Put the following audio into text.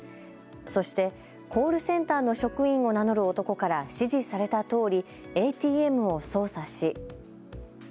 そしてコールセンターの職員を名乗る男から指示されたとおりＡＴＭを操作し。